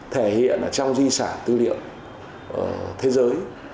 thể hiện trong di sản tư liệu thế giới